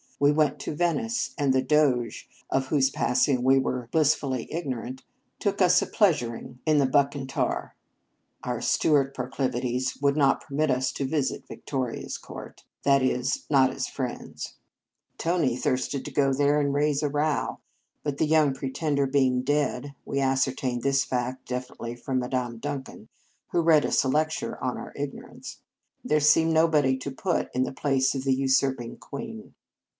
We went to Venice, and the Doge of whose passing we were blissfully ignorant took us a pleasuring in the 169 In Our Convent Days Bucentaur. Our Stuart proclivities would not permit us to visit Victoria s court, that is, not as friends. Tony thirsted to go there and raise a row; but the young Pretender being dead (we ascertained this fact definitely from Madame Duncan, who read us a lecture on our ignorance), there seemed nobody to put in the place of the usurping queen.